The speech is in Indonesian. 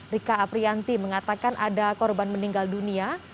rika aprianti mengatakan ada korban meninggal dunia